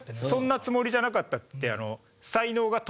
そんなつもりじゃなかったって。